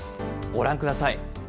ご覧ください。